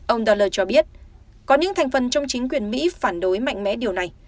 ông daller cho biết có những thành phần trong chính quyền mỹ phản đối mạnh mẽ điều này